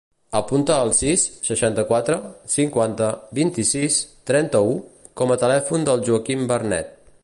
Apunta el sis, seixanta-quatre, cinquanta, vint-i-sis, trenta-u com a telèfon del Joaquín Vernet.